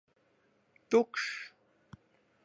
Tukšs!